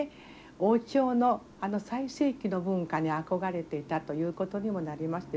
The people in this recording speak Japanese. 王朝のあの最盛期の文化に憧れていたということにもなりますでしょ。